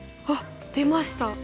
あっ出ました！